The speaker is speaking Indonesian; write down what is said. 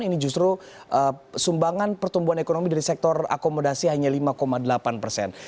ini justru sumbangan pertumbuhan ekonomi dari sektor akomodasi hanya lima delapan persen